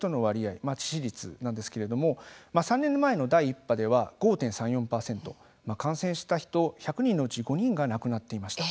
致死率なんですけれども３年前の第１波では５．３４％感染した人１００人のうち５人が亡くなっていました。